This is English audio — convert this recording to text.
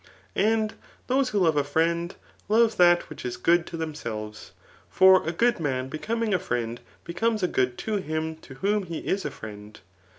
And those who love a friend, love that which is good to themselves ; for a good man becoming a friend, becomes a good to him to whom he is a friend.